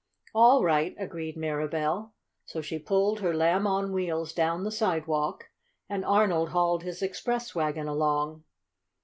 "All right," agreed Mirabell. So she pulled her Lamb on Wheels down the sidewalk, and Arnold hauled his express wagon along.